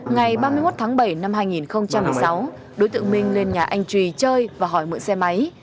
ngày ba mươi một tháng bảy năm hai nghìn một mươi sáu đối tượng minh lên nhà anh trì chơi và hỏi mượn xe máy